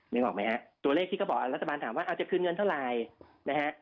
นึกออกไหมครับตัวเลขที่รัฐบาลถามว่าจะคืนเงินเท่าไหร่